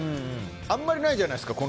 あまりないじゃないですか